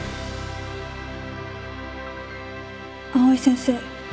藍井先生。